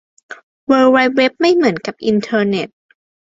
เวิล์ดไวด์เว็บไม่เหมือนกับอินเทอร์เน็ต